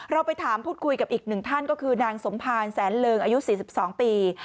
เราไปถามพูดคุยกับอีกหนึ่งท่านก็คือนางสมภารแสนเริงอายุ๔๒ปี